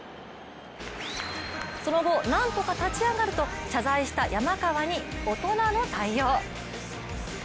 その後、なんとか立ち上がると謝罪した山川に大人の対応。